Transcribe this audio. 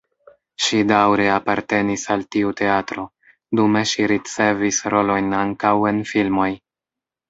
Ŝi daŭre apartenis al tiu teatro, dume ŝi ricevis rolojn ankaŭ en filmoj.